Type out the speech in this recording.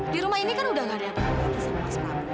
di rumah ini kan udah gak ada apa apa lagi sama mas pramu